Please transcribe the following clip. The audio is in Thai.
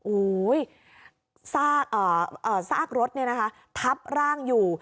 อุ้ยซากเอ่อเอ่อซากรถเนี่ยนะคะทับร่างอยู่